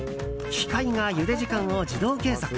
機械がゆで時間を自動計測。